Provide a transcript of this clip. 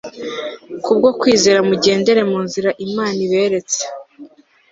Kubwo kwizera mugendere mu nzira Imana iberetse